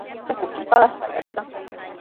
Tukumi paqaspalla rikan.